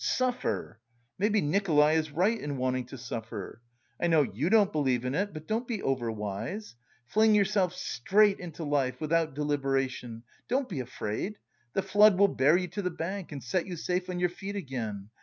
Suffer! Maybe Nikolay is right in wanting to suffer. I know you don't believe in it but don't be over wise; fling yourself straight into life, without deliberation; don't be afraid the flood will bear you to the bank and set you safe on your feet again.